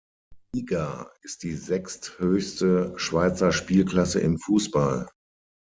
Liga ist die sechsthöchste Schweizer Spielklasse im Fussball.